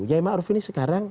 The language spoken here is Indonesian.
kiai ma'ruf ini sekarang